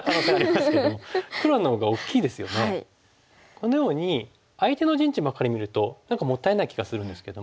このように相手の陣地ばっかり見ると何かもったいない気がするんですけども。